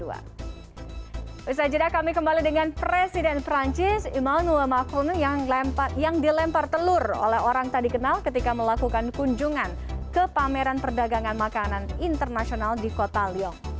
usai jeda kami kembali dengan presiden perancis emmanuel macron yang dilempar telur oleh orang tadi kenal ketika melakukan kunjungan ke pameran perdagangan makanan internasional di kota leong